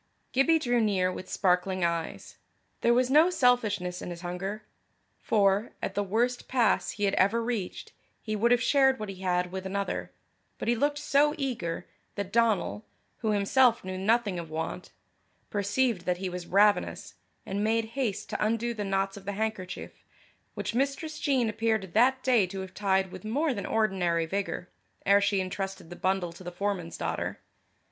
Gibbie drew near with sparkling eyes. There was no selfishness in his hunger, for, at the worst pass he had ever reached, he would have shared what he had with another, but he looked so eager, that Donal, who himself knew nothing of want, perceived that he was ravenous, and made haste to undo the knots of the handkerchief, which Mistress Jean appeared that day to have tied with more than ordinary vigour, ere she intrusted the bundle to the foreman's daughter.